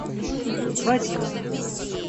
Вадим